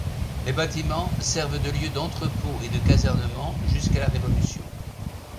Les bâtiments servent de lieu d’entrepôt et de casernement jusqu’à la Révolution.